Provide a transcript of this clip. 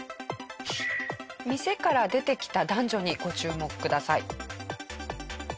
店から出てきた男女にご注目ください。